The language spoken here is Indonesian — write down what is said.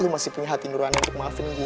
masih punya hati nurani untuk maafin gue